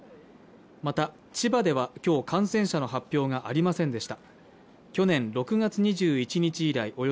また千葉では今日、感染者の発表がありまりせんでした。